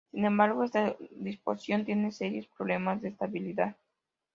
Sin embargo, esta disposición tiene serios problemas de estabilidad.